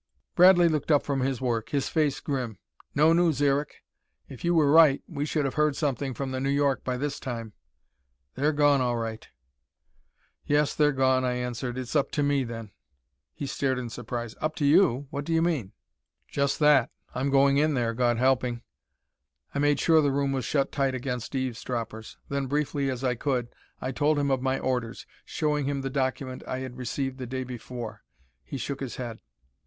Bradley looked up from his work, his face grim. "No news, Eric. If you were right we should have heard something from the New York by this time. They're gone, all right." "Yes, they're gone," I answered. "It's up to me, then." He stared in surprise. "Up to you? What do you mean?" "Just that. I'm going in there, God helping." I made sure the room was shut tight against eavesdroppers. Then, briefly as I could, I told him of my orders, showing him the document I had received the day before. He shook his head.